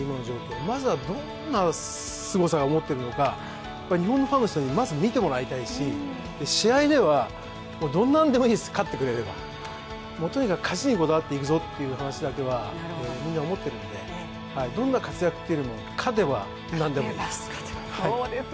まずはどんなすごさを持っているのか、日本のファンの人にまず見てもらいたいし試合では、どんなでもいいです、勝ってくれればとにかく勝ちにこだわっていくぞという話だけは、みんな思ってるのでどんな活躍かというのは、何でもいいです。